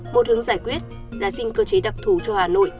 một hướng giải quyết là xin cơ chế đặc thù cho hà nội